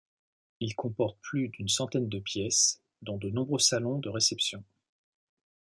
Il comporte plus d'une centaine de pièces dont de nombreux salons de réceptions.